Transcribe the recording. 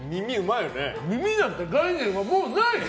耳なんて概念はもうない！